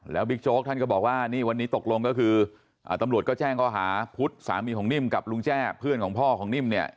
แล้วบิ๊กโจ๊กท่านก็บอกว่านี่วันนี้ตกลงก็คือตำรวจก็แจ้งข้อหาพุทธสามีของนิ่มกับลุงแจ้เพื่อนของพ่อของนิ่มเนี่ย